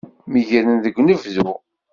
Meggren deg unebdu.